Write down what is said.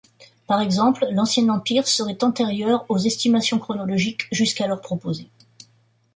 Par exemple, l’Ancien Empire serait antérieur aux estimations chronologiques jusqu’alors proposées.